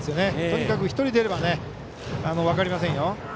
とにかく１人出れば分かりませんよ。